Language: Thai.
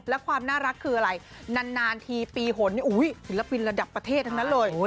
และความน่ารักคืออะไรนานทีปีหนศิลปินระดับประเทศทั้งนั้นเลย